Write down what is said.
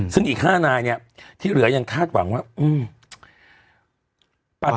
ซึ่งอีก๕นายเนี่ยที่เหลือยังคาดหวังว่าอืม